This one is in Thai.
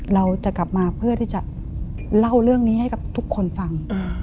เราจะกลับมาเพื่อที่จะเล่าเรื่องนี้ให้กับทุกคนฟัง